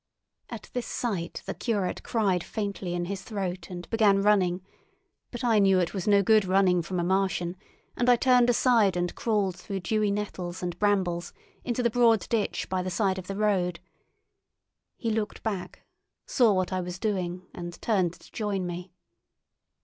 At this sight the curate cried faintly in his throat, and began running; but I knew it was no good running from a Martian, and I turned aside and crawled through dewy nettles and brambles into the broad ditch by the side of the road. He looked back, saw what I was doing, and turned to join me.